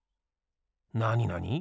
なになに？